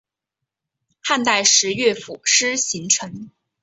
汉代时乐府诗形成。